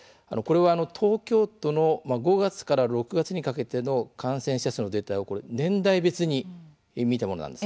東京都の５月から６月にかけての感染者数のデータを年代別に見たものです。